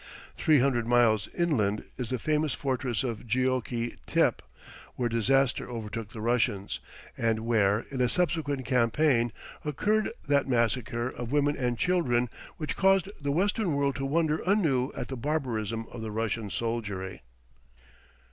Three hundred miles inland is the famous fortress of Geoke Tepe, where disaster overtook the Russians, and where, in a subsequent campaign, occurred that massacre of women and children which caused the Western world to wonder anew at the barbarism of the Russian soldiery.